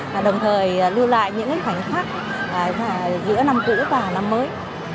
và đồng thời lưu lại những khoảnh khắc giữa năm cũ và năm mới